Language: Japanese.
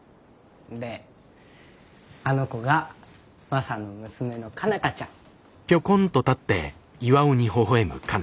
であの子がマサの娘の佳奈花ちゃん。